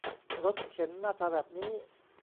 รถเข็นหน้าตาแบบนี้